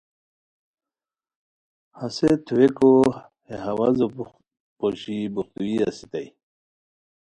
ہسے تھوویکو ہے ہوازو پوشی بوختی اسیتائے